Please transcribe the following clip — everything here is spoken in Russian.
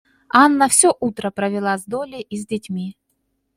Анна всё утро провела с Долли и с детьми.